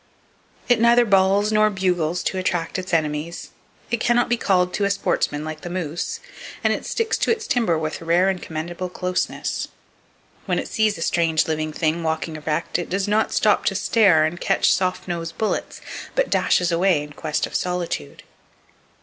It neither bawls nor bugles to attract its enemies, it can not be called to a sportsman, like the moose, and it sticks to its timber with rare and commendable closeness. When it sees a strange living thing walking erect, it does not stop to stare and catch soft nosed bullets, but dashes away in quest of solitude.